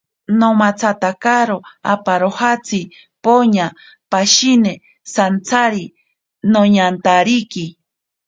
Namatsatakaro aparojatsini, poña pashine santsari nañantariki.